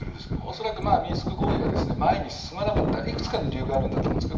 恐らくミンスク合意が前に進まなかったのはいくつかの理由があるんだと思うんです。